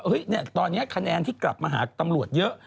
ไอ้ยเนี่ยตอนนี้ขนาดที่กลับมาหาตำรวจเยอะ